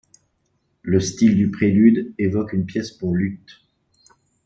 Le style du prélude évoque une pièce pour luth.